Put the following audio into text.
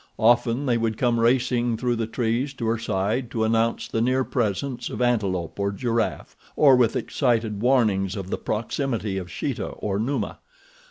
Often they would come racing through the trees to her side to announce the near presence of antelope or giraffe, or with excited warnings of the proximity of Sheeta or Numa.